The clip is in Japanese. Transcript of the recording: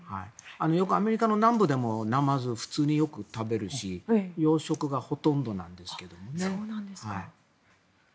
よくアメリカの南部でもナマズは普通によく食べるし養殖がほとんどなんですけどね。